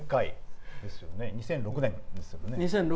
２００６年ですね。